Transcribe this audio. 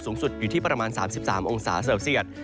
สูงสุดอยู่ที่ประมาณ๓๓องศาเซลเซียต